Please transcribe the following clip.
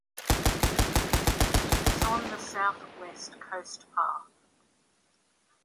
It is on the South West Coast Path.